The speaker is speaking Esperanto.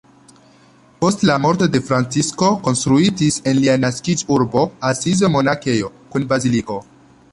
Post la morto de Francisko konstruitis en lia naskiĝurbo Asizo monakejo kun baziliko.